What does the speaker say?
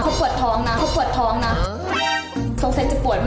สงสัยจะปวดมากเลย